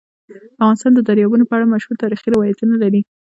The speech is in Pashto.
افغانستان د دریابونه په اړه مشهور تاریخی روایتونه لري.